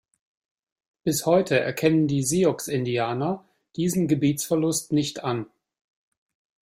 Bis heute erkennen die Sioux Indianer diesen Gebietsverlust nicht an.